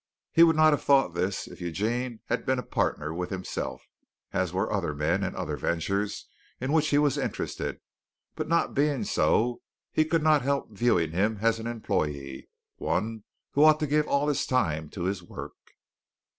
He would not have thought this if Eugene had been a partner with himself, as were other men in other ventures in which he was interested, but not being so, he could not help viewing him as an employee, one who ought to give all his time to his work.